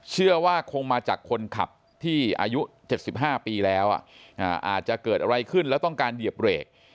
เชื่อว่าคงมาจากคนขับที่อายุ๗๕ปีแล้วอาจจะเกิดอะไรขึ้นแล้วต้องการเหยียบเบรก